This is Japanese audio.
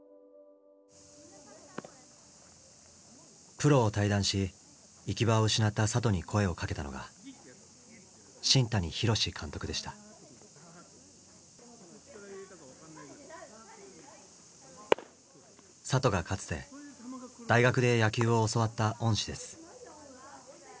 プロを退団し行き場を失った里に声をかけたのが里がかつて大学で野球を教わった恩師です。